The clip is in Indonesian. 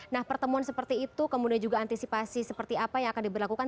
nah pertemuan seperti itu kemudian juga antisipasi seperti apa yang akan diberlakukan